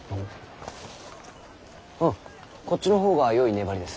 こっちの方がよい粘りです。